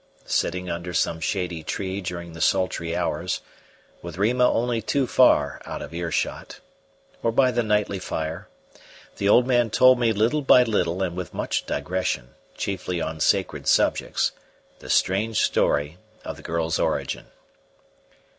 Sitting under some shady tree during the sultry hours, with Rima only too far out of earshot, or by the nightly fire, the old man told me little by little and with much digression, chiefly on sacred subjects, the strange story of the girl's origin.